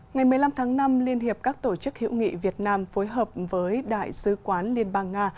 ngày một mươi năm tháng năm liên hiệp các tổ chức hữu nghị việt nam phối hợp với đại sứ quán liên bang nga